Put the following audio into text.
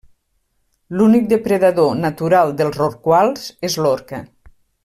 L'únic depredador natural dels rorquals és l'orca.